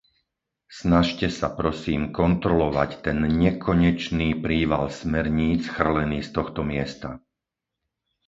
Snažte sa, prosím, kontrolovať ten nekonečný príval smerníc chrlený z tohto miesta.